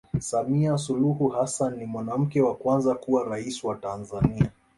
samia suluhu hassan ni mwanamke wa kwanza kuwa raisi wa tanzania